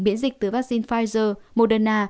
biễn dịch từ vaccine pfizer moderna